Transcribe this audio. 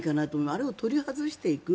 あれを取り外していく。